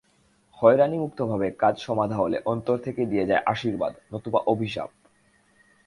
হয়রানিমুক্তভাবে কাজ সমাধা হলে অন্তর থেকে দিয়ে যায় আশীর্বাদ, নতুবা অভিশাপ।